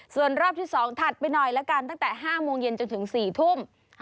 ส่วนรอบที่๒ถัดไปหน่อยละกันตั้งแต่๕โมงเย็นจนถึง๔ทุ่ม